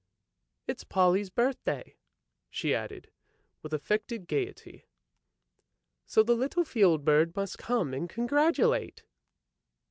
"It is Polly's birthday," she added, with affected gaiety, " so the little field bird must come and congratulate!